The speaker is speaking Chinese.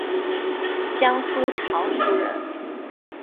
江苏常熟人。